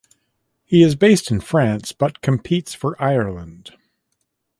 He is based in France but competes for Ireland.